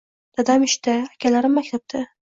Dadam ishda, akalarim maktabda.